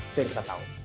itu yang kita tahu